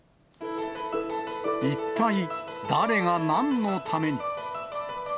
一体誰が、なんのために。